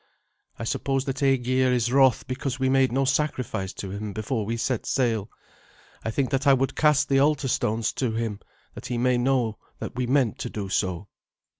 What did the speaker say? "I suppose that Aegir is wroth because we made no sacrifice to him before we set sail. I think that I would cast the altar stones to him, that he may know that we meant to do so."